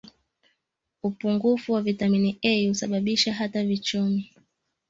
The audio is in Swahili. upungufu wa vitamini A husababisha hata vichomi